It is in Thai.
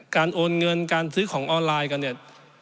โอนเงินการซื้อของออนไลน์กันเนี่ย